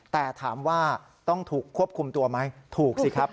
แต่ถามว่าต้องถูกควบคุมตัวไหมถูกสิครับ